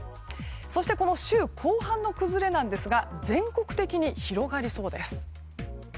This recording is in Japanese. そしてこの週後半の崩れなんですが全国的に広がりそうです。